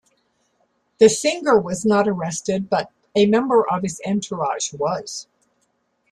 The singer was not arrested, but a member of his entourage was.